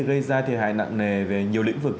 gây ra thiệt hại nặng nề về nhiều lĩnh vực